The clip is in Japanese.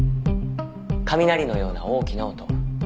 雷のような大きな音。